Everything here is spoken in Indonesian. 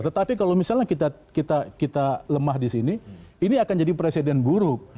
tetapi kalau misalnya kita lemah di sini ini akan jadi presiden buruk